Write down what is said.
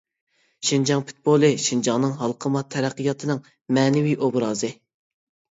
شىنجاڭ پۇتبولى شىنجاڭنىڭ ھالقىما تەرەققىياتىنىڭ مەنىۋى ئوبرازى.